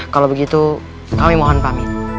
kalau begitu kami mohon pamit